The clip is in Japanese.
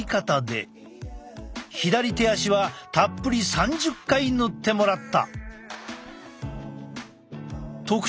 左手足はたっぷり３０回塗ってもらった。